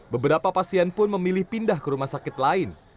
beberapa pasien pun memilih pindah ke rumah sakit lain